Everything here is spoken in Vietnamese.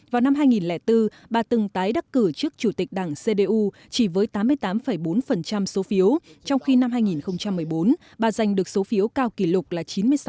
vào năm hai nghìn bốn bà từng tái đắc cử trước chủ tịch đảng cdu chỉ với tám mươi tám bốn số phiếu trong khi năm hai nghìn một mươi bốn bà giành được số phiếu cao kỷ lục là chín mươi sáu